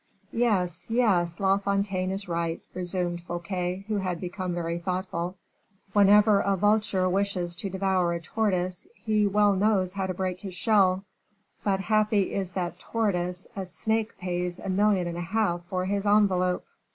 "Yes, yes, La Fontaine is right," resumed Fouquet, who had become very thoughtful; "whenever a vulture wishes to devour a tortoise, he well knows how to break his shell; but happy is that tortoise a snake pays a million and a half for his envelope.